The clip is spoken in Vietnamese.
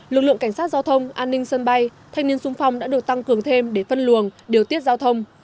lực lượng cảnh sát giao thông an ninh sân bay thanh niên sung phong đã được tăng cường thêm để phân luồng điều tiết giao thông